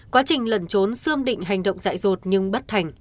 quá trình lần trốn sươm định hành động dại rột nhưng bất thành